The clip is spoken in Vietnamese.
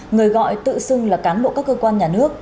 người gọi tự xưng là cán bộ các cơ quan nhà nước